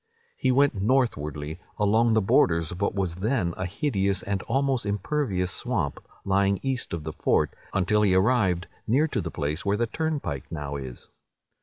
He went northwardly, along the borders of what was then a hideous and almost impervious swamp, lying east of the fort, until he arrived near to the place where the turnpike now is.